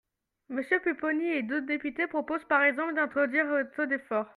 Monsieur Pupponi et d’autres députés proposent par exemple d’introduire un taux d’effort.